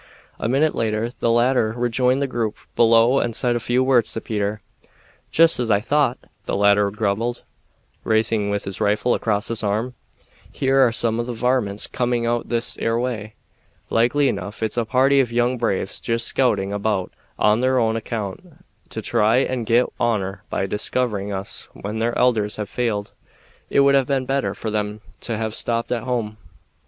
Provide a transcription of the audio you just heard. A minute later the latter rejoined the group below and said a few words to Peter. "Jest as I thought!" the latter grumbled, rising with his rifle across his arm. "Here are some of the varmints coming out this 'ere way. Likely enough it's a party of young braves jest scouting about on their own account, to try and get honor by discovering us when their elders have failed. It would have been better for them to have stopped at home."